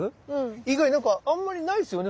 以外にあんまり無いっすよね